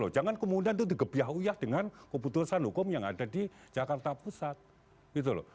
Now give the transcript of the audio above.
jangan kemudian itu digebiah uyah dengan keputusan hukum yang ada di jakarta pusat gitu loh